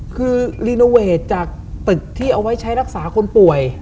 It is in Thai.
คือรีโนเวทจากตึกที่เอาไว้ใช้รักษาคนป่วย